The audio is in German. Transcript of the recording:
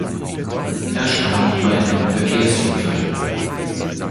Er starb bei einem Verkehrsunfall.